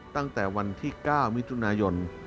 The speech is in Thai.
ตั้งแต่วันที่๙มิถุนายน